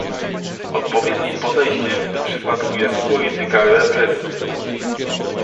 Odpowiednim podejściem w tym przypadku jest polityka represji